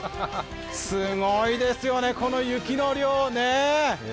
すごいですよね、この雪の量ね。